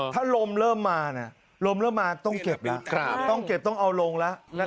ถ้าลมเริ่มมาต้องเก็บแล้วต้องเอาลงแล้ว